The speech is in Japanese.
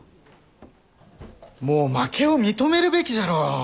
もう負けを認めるべきじゃろう。